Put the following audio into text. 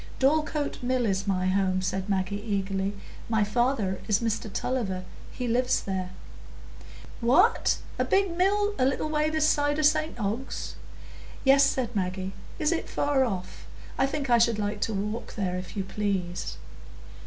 "Dorlcote Mill is my home," said Maggie, eagerly. "My father is Mr Tulliver; he lives there." "What! a big mill a little way this side o' St Ogg's?" "Yes," said Maggie. "Is it far off? I think I should like to walk there, if you please."